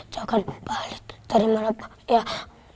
jauhkan pak ali dari mana ya masukin surganya allah